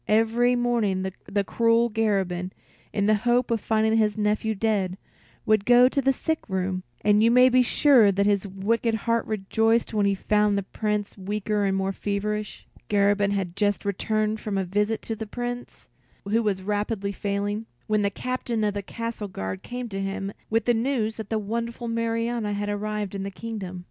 Every morning the cruel Garabin, in the hope of finding his nephew dead, would go to the sick room; and you may be sure that his wicked heart rejoiced when he found the Prince weaker and more feverish. Garabin had just returned from a visit to the Prince, who was rapidly failing, when the Captain of the Castle Guard came to him with the news that the wonderful Marianna had arrived in the kingdom.